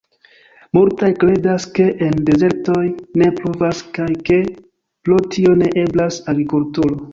Multaj kredas, ke en dezertoj ne pluvas kaj ke pro tio ne eblas agrikulturo.